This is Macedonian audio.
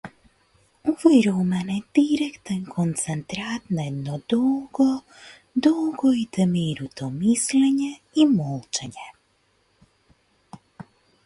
Овој роман е директен концентрат на едно долго, долго и темеруто мислење и молчење.